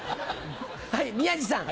はい宮治さん。